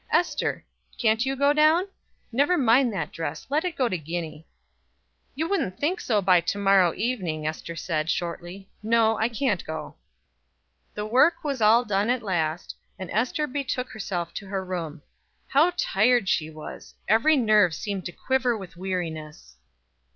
Ester, can't you go down? Never mind that dress; let it go to Guinea." "You wouldn't think so by to morrow evening," Ester said, shortly. "No, I can't go." The work was all done at last, and Ester betook herself to her room. How tired she was! Every nerve seemed to quiver with weariness.